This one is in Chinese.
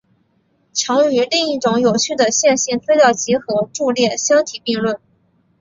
常与另一种有序的线性资料集合伫列相提并论。